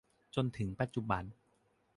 จนถึงปัจจุบัน